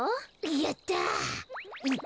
やった。